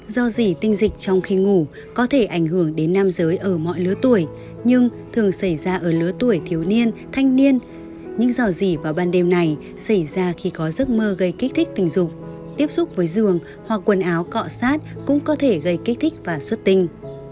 do gì tinh dịch trong khi ngủ có thể ảnh hưởng đến nam giới ở mọi lứa tuổi nhưng thường xảy ra ở lứa tuổi thiếu niên thanh niên những dò dỉ vào ban đêm này xảy ra khi có giấc mơ gây kích thích tình dục tiếp xúc với giường hoặc quần áo cọ sát cũng có thể gây kích thích và xuất tinh